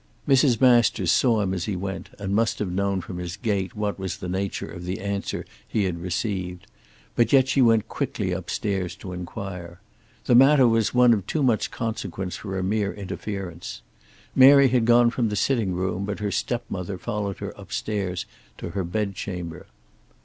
Mrs. Masters saw him as he went, and must have known from his gait what was the nature of the answer he had received. But yet she went quickly upstairs to inquire. The matter was one of too much consequence for a mere inference. Mary had gone from the sitting room, but her stepmother followed her upstairs to her bed chamber.